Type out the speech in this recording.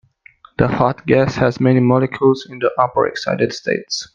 The hot gas has many molecules in the upper excited states.